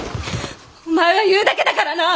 お前は言うだけだからな！